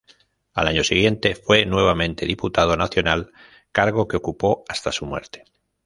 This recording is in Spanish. Al año siguiente fue nuevamente diputado nacional, cargo que ocupó hasta su muerte.